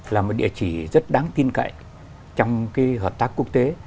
là một địa chỉ rất đáng tin cậy trong cái hợp tác quốc tế